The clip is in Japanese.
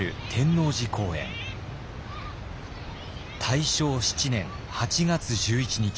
大正７年８月１１日。